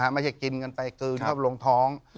ไม่ใช่กินกันไปกลืนเข้าลงท้อง